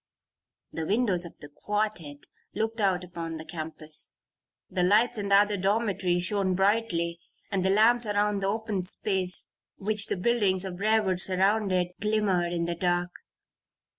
The windows of the "quartette" looked out upon the campus. The lights in the other dormitory shone brightly and the lamps around the open space, which the buildings of Briarwood surrounded, glimmered in the dark.